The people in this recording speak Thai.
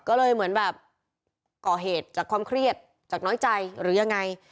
ก็เลยเหมือนแบบก่อเหตุจากความเครียดจากน้อยใจหรือยังไง